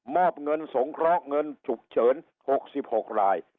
มอบเงินสงครองเงินสุขเฉิน๖๖ราย